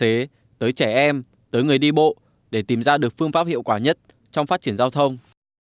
chúng tôi tìm hiểu nhu cầu của các tài xế tới trẻ em tới người đi bộ để tìm ra được phương pháp hiệu quả nhất trong phát triển giao thông